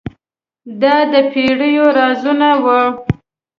دا د پیړیو رازونه وو.